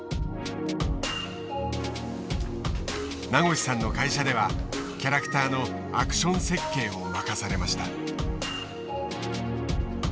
名越さんの会社ではキャラクターのアクション設計を任されました。